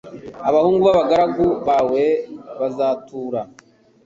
Abahungu b’abagaragu bawe bazatura